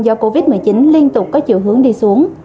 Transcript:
do covid một mươi chín liên tục có chiều hướng đi xuống